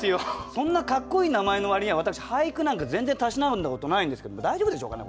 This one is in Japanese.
そんなかっこいい名前の割には私俳句なんか全然たしなんだことないんですけれども大丈夫でしょうかね？